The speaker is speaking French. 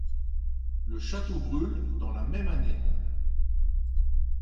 Le château brûle dans la même année.